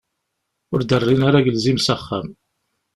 Ur d-rrin ara agelzim s axxam.